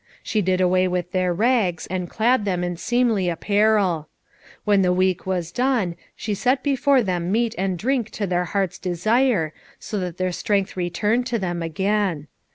She did away with their rags, and clad them in seemly apparel. When the week was done she set before them meat and drink to their heart's desire, so that their strength returned to them again.